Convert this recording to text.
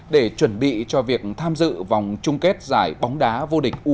để chuẩn bị cho việc tham dự vòng chung kết giải bóng đá vô địch u hai mươi